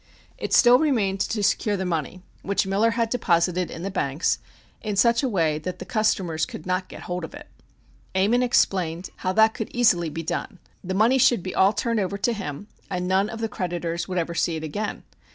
It still remained to secure the money, which Miller had deposited in the banks, in such a way that the customers could not get hold of it. Ammon explained how that could easily be done. The money should be all turned over to him, and none of the creditors would ever see it again.